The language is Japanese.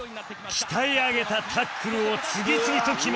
鍛え上げたタックルを次々と決め